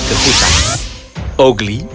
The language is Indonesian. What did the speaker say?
ke hutan ogli